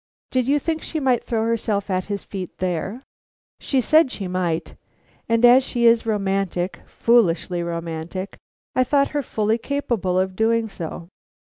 "Did you think she might throw herself at his feet there?" "She said she might; and as she is romantic, foolishly romantic, I thought her fully capable of doing so."